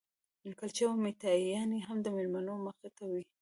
کلچې او میټایانې هم د مېلمنو مخې ته وې.